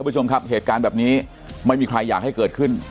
ผู้ชมครับเหตุการณ์แบบนี้ไม่มีใครอยากให้เกิดขึ้น